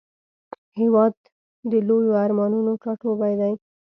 هېواد د لویو ارمانونو ټاټوبی دی.